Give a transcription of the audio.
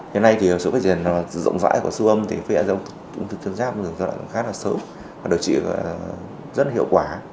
hiện nay sự phát triển rộng rãi của sưu âm phát hiện ra ung thư tiến giáp rất sớm và đổi trị rất hiệu quả